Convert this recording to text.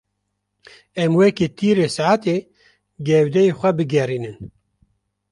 Em weke tîrê saetê gewdeyê xwe bigerînin.